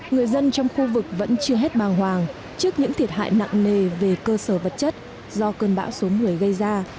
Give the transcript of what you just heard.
người dân trong khu vực vẫn chưa hết bàng hoàng trước những thiệt hại nặng nề về cơ sở vật chất do cơn bão số một mươi gây ra